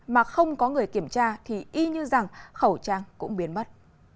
mà không có người kiểm tra thì y như rằng khẩu trang cũng biến mất